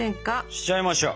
しちゃいましょう！